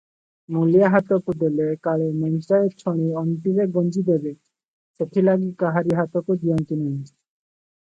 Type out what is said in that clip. ମୂଲିଆ ହାତକୁ ଦେଲେ କାଳେ ମେଞ୍ଚାଏ ଛଣି ଅଣ୍ଟିରେ ଗୁଞ୍ଜିଦେବ, ସେଥିଲାଗି କାହାରି ହାତକୁ ଦିଅନ୍ତି ନାହିଁ ।